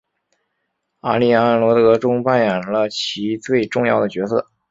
阿丽安萝德中扮演了其最重要的角色。